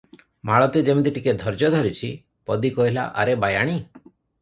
ମାଳତୀ ଯିମିତି ଟିକିଏ ଧୈର୍ଯ୍ୟ ଧରିଛି, ପଦୀ କହିଲା, "ଆରେ ବାୟାଣୀ!